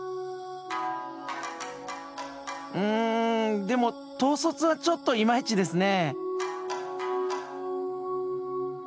うんでも統率はちょっとイマイチですね。